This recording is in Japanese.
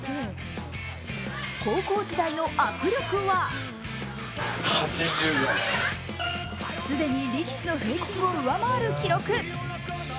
高校時代の握力は既に力士の平均を上回る記録。